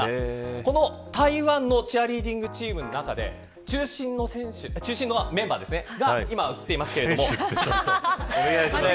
この台湾のチアリーディングチームの中で中心のメンバーが今、映っていますが。